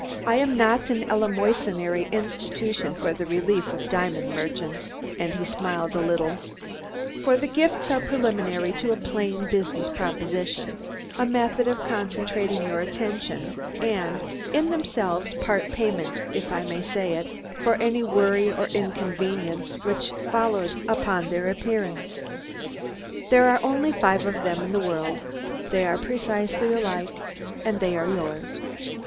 I am not a eleemosynary institution for the relief of diamond merchants," and he smiled a little, "for the gifts are preliminary to a plain business proposition a method of concentrating your attention, and, in themselves, part payment, if I may say it, for any worry or inconvenience which followed upon their appearance. There are only five of them in the world, they are precisely alike, and they are yours.